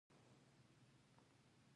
زما پلار له رخصتی څخه راغی